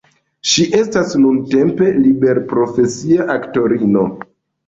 Ŝi estas nuntempe liberprofesia aktorino.